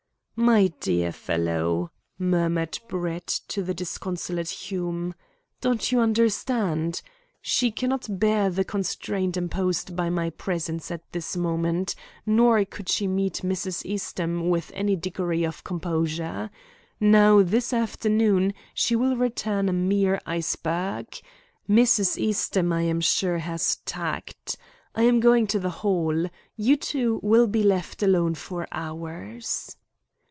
"My dear fellow," murmured Brett to the disconsolate Hume, "don't you understand? She cannot bear the constraint imposed by my presence at this moment, nor could she meet Mrs. Eastham with any degree of composure. Now, this afternoon she will return a mere iceberg. Mrs. Eastham, I am sure, has tact. I am going to the Hall. You two will be left alone for hours."